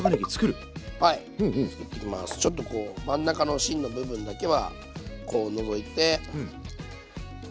ちょっとこう真ん中の芯の部分だけはこう除いてこういうふうに皮を。